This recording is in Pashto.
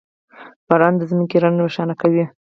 • باران د ځمکې رنګ روښانه کوي.